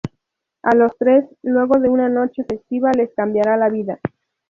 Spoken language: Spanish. A los tres, luego de una noche festiva, les cambiará la vida.